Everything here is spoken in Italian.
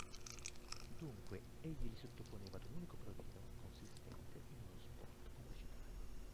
Dunque egli li sottoponeva ad un unico provino, consistente in uno "spot pubblicitario".